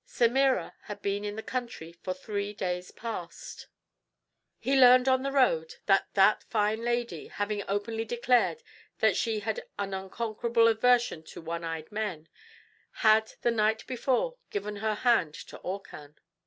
Semira had been in the country for three days past. He learned on the road that that fine lady, having openly declared that she had an unconquerable aversion to one eyed men, had the night before given her hand to Orcan.